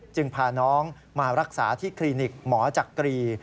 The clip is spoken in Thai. จึงพาน้องมารักษาที่คลินิกหมอจักรี